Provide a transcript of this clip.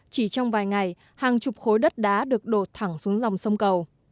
chỉ trong vài ngày hàng chục khối đất đá được đổ thẳng xuống dòng sông cầu